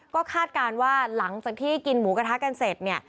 ก็คาดการณ์ว่าหลังจากที่กินหมูกระทะกันเสร็จเนี่ย